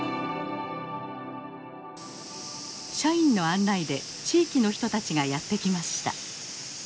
社員の案内で地域の人たちがやって来ました。